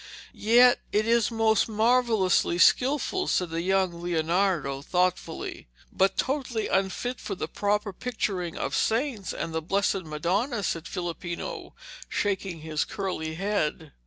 'Yet it is most marvellously skilful,' said the young Leonardo thoughtfully. 'But totally unfit for the proper picturing of saints and the blessed Madonna,' said Filippino, shaking his curly head.